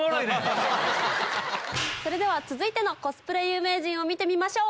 それでは続いてのコスプレ有名人見てみましょう。